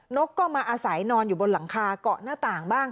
กก็มาอาศัยนอนอยู่บนหลังคาเกาะหน้าต่างบ้าง